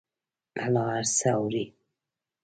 الله هر څه اوري.